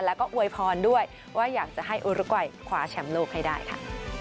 แล้วก็อวยพรด้วยว่าอยากจะให้โอริกอยคว้าแชมป์โลกให้ได้ค่ะ